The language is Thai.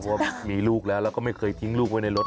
เพราะว่ามีลูกแล้วแล้วก็ไม่เคยทิ้งลูกไว้ในรถ